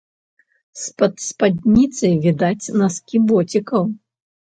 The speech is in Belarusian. З-пад спадніцы відаць наскі боцікаў.